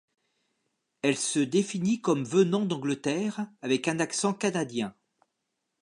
Elle se définit comme venant d'Angleterre avec un accent canadien.